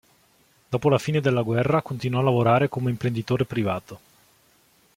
Dopo la fine della guerra continuò a lavorare come imprenditore privato.